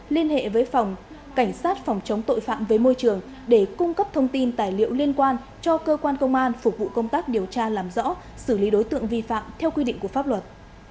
liên hệ với phòng cảnh sát phòng chống tội phạm với môi trường để cung cấp thông tin tài liệu liên quan cho cơ quan công an phục vụ công tác điều tra làm rõ xử lý đối tượng vi phạm theo quy định của pháp luật